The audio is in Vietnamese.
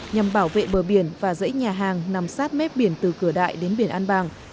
nhằm bảo vệ bờ biển và dãy nhà hàng nằm sát mép biển từ cửa đại đến biển an bàng